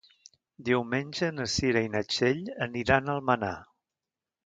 Diumenge na Cira i na Txell aniran a Almenar.